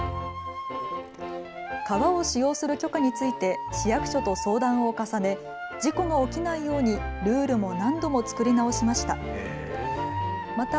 川を使用する許可について市役所と相談を重ね、事故が起きないようにルールも何度も作り直しました。